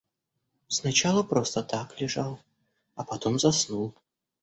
Сначала просто так лежал, а потом заснул.